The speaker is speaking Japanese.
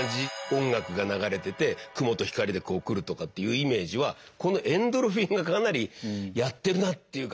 音楽が流れてて雲と光でこう来るとかっていうイメージはこのエンドルフィンがかなりやってるなっていう感じありますよね。